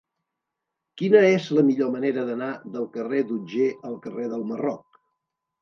Quina és la millor manera d'anar del carrer d'Otger al carrer del Marroc?